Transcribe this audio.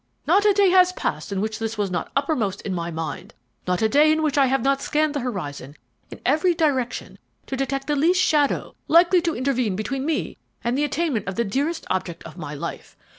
Not a day has passed in which this was not uppermost in my mind; not a day in which I have not scanned the horizon in every direction to detect the least shadow likely to intervene between me and the attainment of the dearest object of my life.